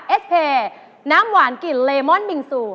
เอสเพย์น้ำหวานกลิ่นเลมอนมิงซู